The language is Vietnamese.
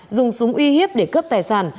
dùng súng uy hiếp để cướp tài sản